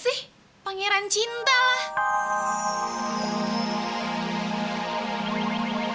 semoga selanjutnya kok sayang aku